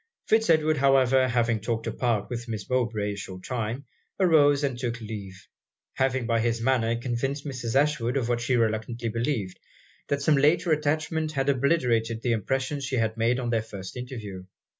Fitz Edward, however, having talked apart with Miss Mowbray a short time, arose and took leave, having by his manner convinced Mrs. Ashwood of what she reluctantly believed, that some later attachment had obliterated the impression she had made at their first interview.